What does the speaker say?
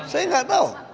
saya enggak tahu